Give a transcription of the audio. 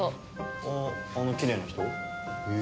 あああのきれいな人？へえ。